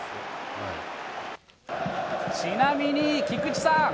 ちなみに菊池さん。